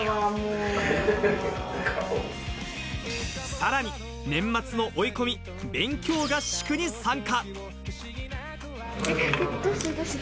さらに年末の追い込み、勉強合宿に参加。